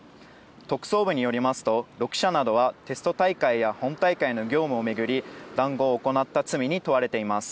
特捜部によりますと、６社などはテスト大会や本大会の業務を巡り、談合を行った罪に問われています。